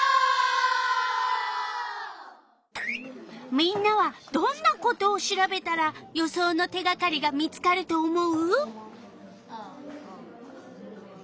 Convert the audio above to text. みんなはどんなことを調べたら予想の手がかりが見つかると思う？